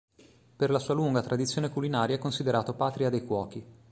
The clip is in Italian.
Per la sua lunga tradizione culinaria è considerato patria dei cuochi.